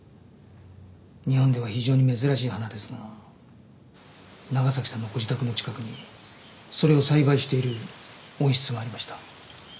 日本では非常に珍しい花ですが長崎さんのご自宅の近くにそれを栽培している温室がありました。